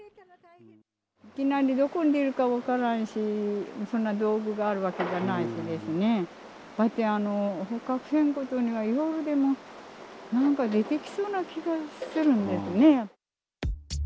いきなりどこに出るか分からんし、そんな道具があるわけじゃないしですね、捕獲せんことには、夜でもなんか出てきそうな気がするんですね。